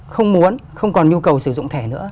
không muốn không còn nhu cầu sử dụng thẻ nữa